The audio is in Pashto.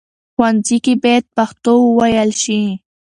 ښوونځي کې بايد پښتو وويل شي.